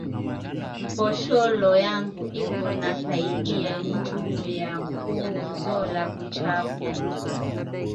Mposholo yangu iko na saidia nju ya ku zola buchafu